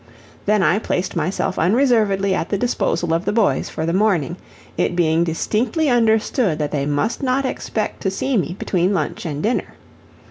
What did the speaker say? Then I placed myself unreservedly at the disposal of the boys for the morning, it being distinctly understood that they must not expect to see me between lunch and dinner.